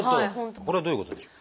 これはどういうことでしょう？